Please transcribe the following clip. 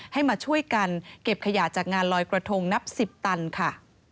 ให้มาช่วยกันเก็บขยะจากงานลอยกระทงนับ๑๐ตันค่ะ